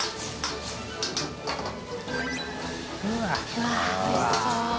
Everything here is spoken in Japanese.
うわっおいしそう。